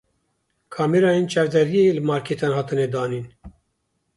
Kamîreyên çavdêriyê li markêtan hatine danîn.